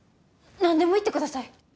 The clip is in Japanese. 何でも言ってください。